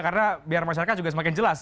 karena biar masyarakat juga semakin jelas